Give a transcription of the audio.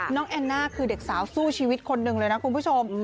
แอนน่าคือเด็กสาวสู้ชีวิตคนหนึ่งเลยนะคุณผู้ชม